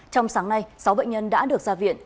trong sáng nay sáu bệnh nhân đã được ra viện